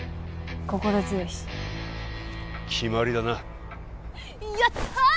心強いし決まりだなやったー！